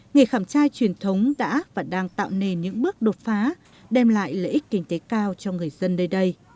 nghề khảm trai truyền thống đã và đang tạo nền những bước đột phá đem lại lợi ích kinh tế cao cho người dân nơi đây